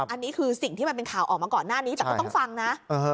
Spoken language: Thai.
อันนี้คือสิ่งที่มันเป็นข่าวออกมาก่อนหน้านี้แต่ก็ต้องฟังนะ